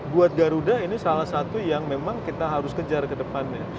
buat garuda ini salah satu yang memang kita harus kejar ke depannya